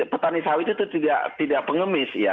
petani sawit itu tidak pengemis ya